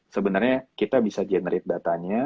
sebenernya kita bisa generate data